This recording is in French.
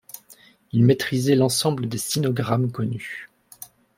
Il maîtrisait l'ensemble des sinogrammes connus.